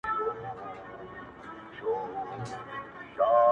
ګرانه دوسته! ځو جنت ته دریم نه سي ځايېدلای!